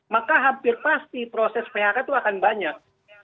maka hampir pasti proses phk itu akan banyak